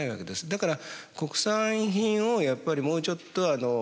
だから国産品をやっぱりもうちょっと目を向けてですね